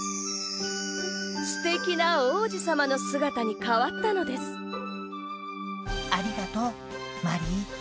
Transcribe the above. すてきな王子様の姿に変わったのですありがとうマリー。